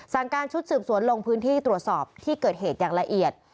การชุดสืบสวนลงพื้นที่ตรวจสอบที่เกิดเหตุอย่างละเอียด